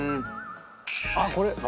あっこれ！